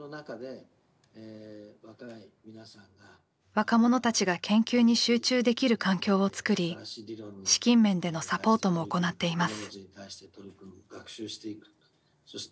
若者たちが研究に集中できる環境をつくり資金面でのサポートも行っています。